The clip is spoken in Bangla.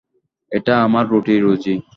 এটা আমার রুটি-রুজি।